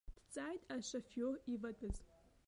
Дҵааит ашафиор иватәаз.